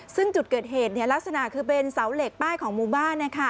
ซึ่งจุดเกิดเหตุลักษณะคือเป็นเสาเหล็กป้ายของหมู่บ้าน